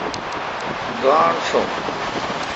گاݨڈ چوم۔